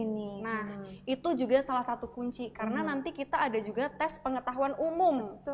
nah itu juga salah satu kunci karena nanti kita ada juga tes pengetahuan umum